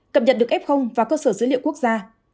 cập nhật được f và cơ sở dữ liệu quốc gia